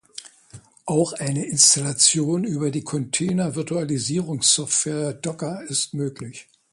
Auch eine Installation über die Containervirtualisierungssoftware Docker ist möglich.